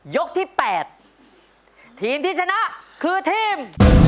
ยกที่๘ทีมที่ชนะคือทีม